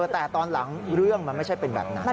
แต่ตอนหลังเรื่องมันไม่ใช่เป็นแบบนั้น